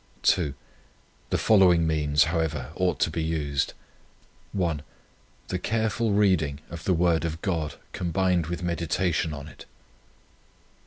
"II. The following means, however, ought to be used: 1, _The careful reading of the word of God, combined with meditation on it.